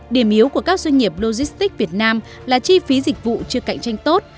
điểm yếu của các doanh nghiệp logistics việt nam là chi phí dịch vụ chưa cạnh tranh tốt